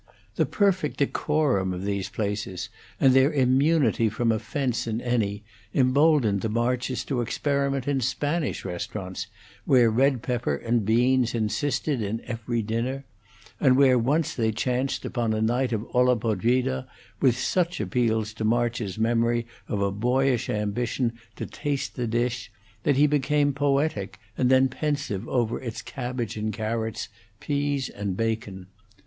The perfect decorum of these places, and their immunity from offence in any, emboldened the Marches to experiment in Spanish restaurants, where red pepper and beans insisted in every dinner, and where once they chanced upon a night of 'olla podrida', with such appeals to March's memory of a boyish ambition to taste the dish that he became poetic and then pensive over its cabbage and carrots, peas and bacon.